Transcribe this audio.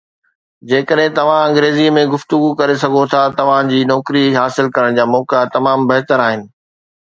جيڪڏهن توهان انگريزي ۾ گفتگو ڪري سگهو ٿا، توهان جي نوڪري حاصل ڪرڻ جا موقعا تمام بهتر آهن